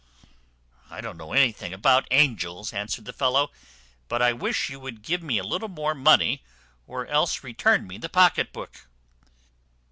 "I don't know anything about angels," answered the fellow; "but I wish you would give me a little more money, or else return me the pocket book."